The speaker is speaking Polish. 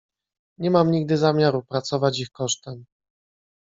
"Nie mam nigdy zamiaru pracować ich kosztem."